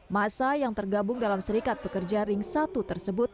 masa yang tergabung dalam serikat pekerja ring satu tersebut